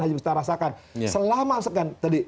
hanya bisa rasakan selama segan tadi